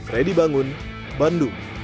ready bangun bandung